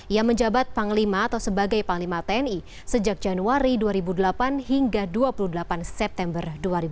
ia menjabat panglima atau sebagai panglima tni sejak januari dua ribu delapan hingga dua puluh delapan september dua ribu delapan belas